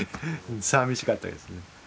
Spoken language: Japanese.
さみしかったですね